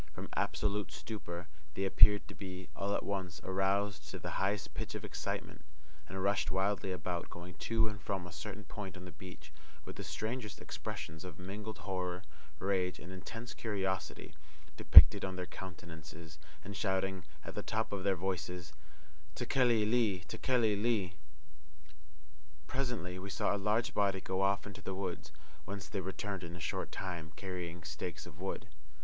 From absolute stupor, they appeared to be, all at once, aroused to the highest pitch of excitement, and rushed wildly about, going to and from a certain point on the beach, with the strangest expressions of mingled horror, rage, and intense curiosity depicted on their countenances, and shouting, at the top of their voices, "Tekeli li! Tekeli li!" Presently we saw a large body go off into the hills, whence they returned in a short time, carrying stakes of wood.